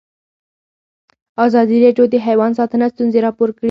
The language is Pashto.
ازادي راډیو د حیوان ساتنه ستونزې راپور کړي.